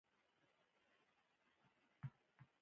چا دې ته نه کتل چې څوک ماشوم او څوک معیوب دی